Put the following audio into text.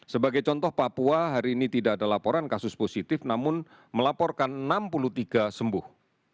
sebagai contoh papua hari ini tidak ada laporan kasus positif namun melaporkan enam puluh tiga sembuh